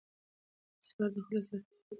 نسوار د خولې سرطان پیدا کوي.